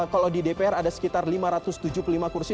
kalau di dpr ada sekitar lima ratus tujuh puluh lima kursi